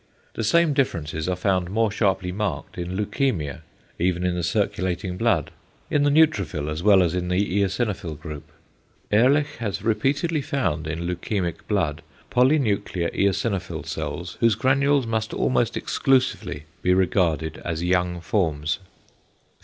The same differences are found more sharply marked in leukæmia even in the circulating blood, in the neutrophil as well as in the eosinophil group. Ehrlich has repeatedly found in leukæmic blood polynuclear eosinophil cells, whose granules must almost exclusively be regarded as young forms.